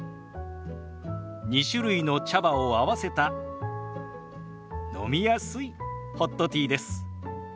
２種類の茶葉を合わせた飲みやすいホットティーです。